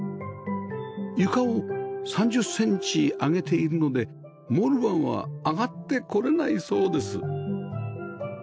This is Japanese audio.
床を３０センチ上げているのでモルバンは上がって来れないそうです